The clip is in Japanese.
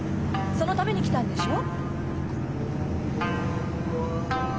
そのために来たんでしょ？